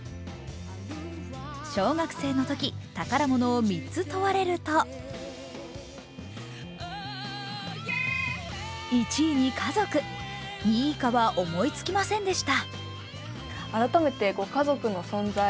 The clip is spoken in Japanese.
小学生のとき宝物を３つ問われると１位に家族２位以下は思いつきませんでした。